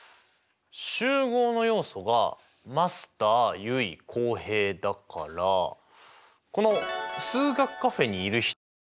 集合の要素がマスター結衣浩平だからこの数学カフェにいる人かな。